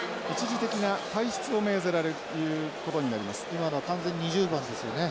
今のは完全に２０番ですよね。